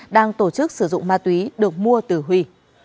đang tổ chức sử dụng ma túy được mua từ huy